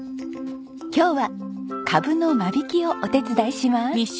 今日はカブの間引きをお手伝いします。